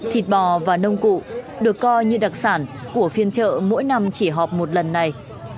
thịt bò và nông cụ được coi như đặc sản của phiên chợ mỗi năm chỉ họp một lần này